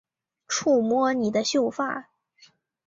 触摸你的秀发